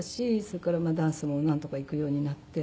それからダンスもなんとか行くようになって。